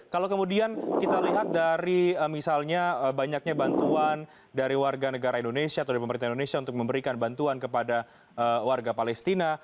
kalau kemudian kita lihat dari misalnya banyaknya bantuan dari warga negara indonesia atau dari pemerintah indonesia untuk memberikan bantuan kepada warga palestina